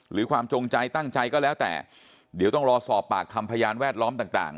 ความจงใจตั้งใจก็แล้วแต่เดี๋ยวต้องรอสอบปากคำพยานแวดล้อมต่าง